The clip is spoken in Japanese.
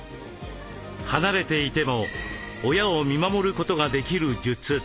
離れていても親を見守ることができる術。